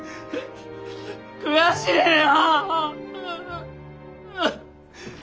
悔しいよ！